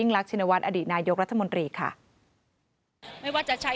เล่นได้